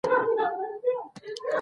موږ باید په خپل چاپېریال کې ونې کېنوو.